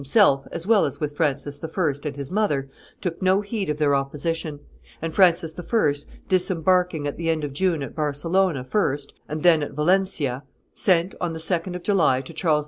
himself as well as with Francis I. and his mother, took no heed of their opposition; and Francis I., disembarking at the end of June at Barcelona first and then at Valentia, sent, on the 2d of July, to Charles V.